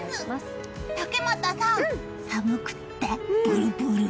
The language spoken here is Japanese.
竹俣さん、寒くてブルブル。